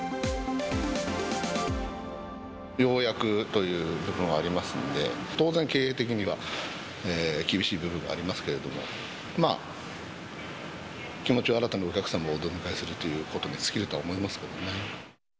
ようやくというのがありますので、当然経営的には厳しい部分はありますけれども、気持ちを新たにお客様をお出迎えするということに尽きるとは思い